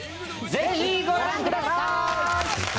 ぜひご覧ください！